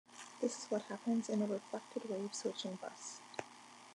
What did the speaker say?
This is what happens in a "reflected-wave switching" bus.